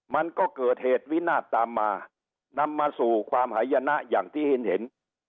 มันก็เกิดเหตุวินาศตามมานำมาสู่ความหายนะอย่างที่เห็น